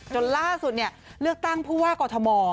จนล่าสุดเลือกตั้งผู้ว่ากอทม